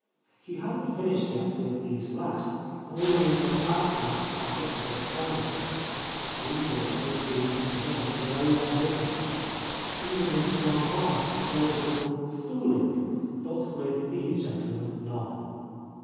He hadn't finished yet with these last, — always went back to them after other experiments. These authors seemed to him to know their business. Even in "Don Juan" there was a little "fooling," but with these gentlemen none.